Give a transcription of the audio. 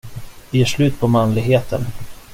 Vi gör slut på manligheten.